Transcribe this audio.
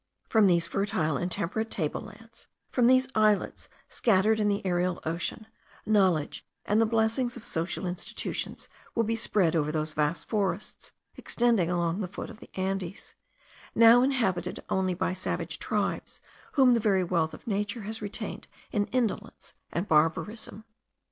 From these fertile and temperate table lands, from these islets scattered in the aerial ocean, knowledge and the blessings of social institutions will be spread over those vast forests extending along the foot of the Andes, now inhabited only by savage tribes whom the very wealth of nature has retained in indolence and barbarism.